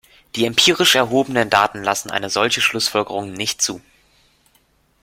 Die empirisch erhobenen Daten lassen eine solche Schlussfolgerung nicht zu.